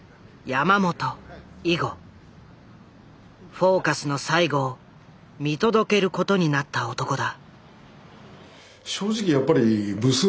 「フォーカス」の最後を見届けることになった男だ。